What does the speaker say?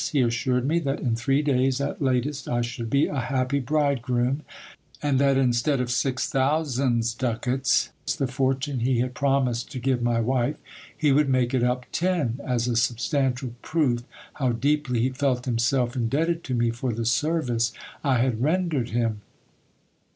He assured me, that in three days at latest I should be a happy bridegroom, and that instead of six thousands ducats, the fortune he had promised to give my wife, he would make it up ten, as a substantial proof how deeply he felt himself indebted to me for the service I had rendered him.